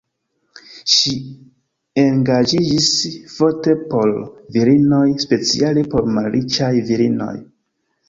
Ŝi engaĝiĝis forte por virinoj, speciale por malriĉaj virinoj.